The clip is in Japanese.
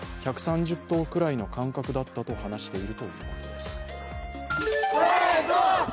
１３０頭くらいの感覚だったと話しているということです。